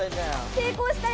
成功したよ！